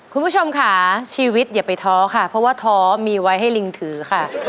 คุณผู้ชมค่ะชีวิตอย่าไปท้อค่ะเพราะว่าท้อมีไว้ให้ลิงถือค่ะ